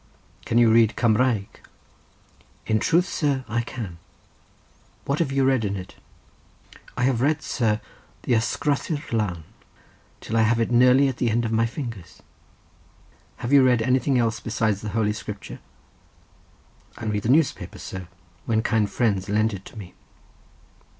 "Can you read Cumraeg?" "In truth, sir, I can." "What have you read in it?" "I have read, sir, the Ysgrythyr lan, till I have it nearly at the ends of my fingers." "Have you read anything else besides the Holy Scripture?" "I read the newspaper, sir, when kind friends lend it to me."